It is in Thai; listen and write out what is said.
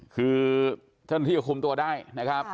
คือท่านที่คุมตัวได้นะครับ